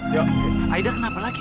ya aida kenapa lagi